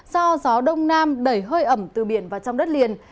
do gió đông nam đẩy hơi ẩm từ biển và trong đất liền